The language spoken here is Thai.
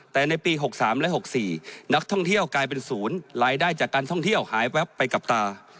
แต่ในปี๖๓และ๖๔นักท่องเที่ยวกลายเป็นศูนย์รายได้จากการท่องเที่ยวหายแวบไปกับตา